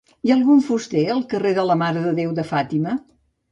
Hi ha algun fuster al carrer de la mare de déu de Fàtima?